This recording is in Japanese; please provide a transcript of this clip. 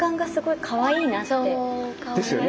ですよね！